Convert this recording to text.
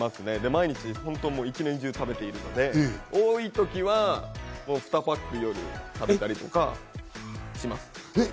毎日、本当１年中食べているので、多い時は２パック夜食べたりとかします。